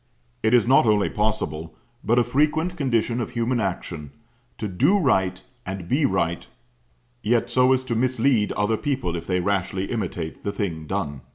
It is not only possible, but a frequent condition of human action, to do right and be right yet so as to mislead other people if they rashly imitate the thing done.